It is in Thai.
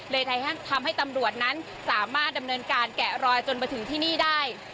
ทำให้ตำรวจนั้นสามารถดำเนินการแกะรอยจนมาถึงที่นี่ได้